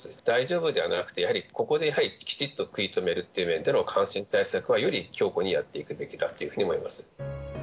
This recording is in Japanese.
大丈夫じゃなくて、やはりここできちっと食い止めるという面での感染対策はより強固にやっていくべきだというふうに思います。